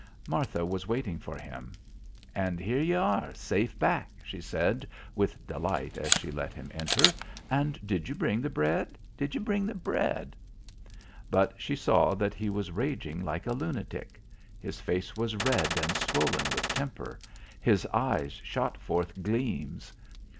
Martha was waiting for him. "And here ye are, safe back," she said with delight as she let him enter. "And did ye bring the bread? Did ye bring the bread?" But she saw that he was raging like a lunatic. His face was red and swollen with temper; his eyes shot forth gleams.